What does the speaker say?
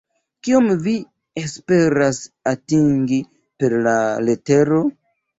Kion vi esperas atingi per la letero?